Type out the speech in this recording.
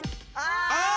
あ！